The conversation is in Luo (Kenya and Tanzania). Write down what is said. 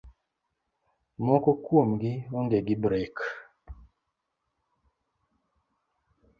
Moko kuomgi onge gi brek